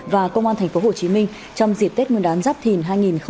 và công an tp hcm trong dịp tết nguyên đán giáp thìn hai nghìn hai mươi bốn